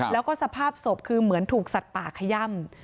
แล้วก็สภาพศพคือเหมือนถูกสัตว์ป่าขย่ำ